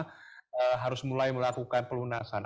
kapan sebenarnya jemaah harus mulai melakukan pelunasan